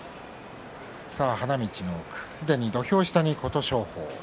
花道の奥すでに土俵下に琴勝峰。